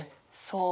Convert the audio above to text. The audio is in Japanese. そう。